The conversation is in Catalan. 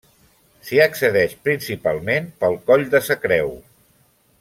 S'hi accedeix principalment pel Coll de sa Creu.